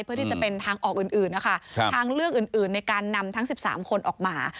เพื่อที่จะเป็นทางออกอื่นนะคะทางเลือกอื่นในการนำทั้ง๑๓คนออกมา